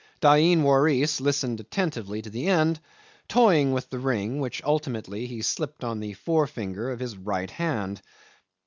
Dain Waris listened attentively to the end, toying with the ring which ultimately he slipped on the forefinger of his right hand.